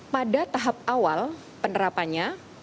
pada tahap awal penerapannya